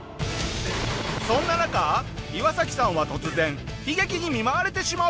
そんな中イワサキさんは突然悲劇に見舞われてしまう。